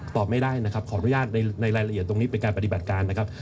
ตอบไม่ได้นะครับขออนุญาตในรายละเอียดตรงนี้เป็นการปฏิบัติการนะครับ